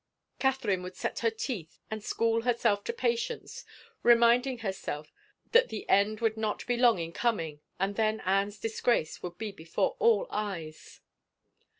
Catherine would set her teeth and school herself to patience, reminding herself that the end would not be long in coming and then Anne's disgrace would be before all eyes.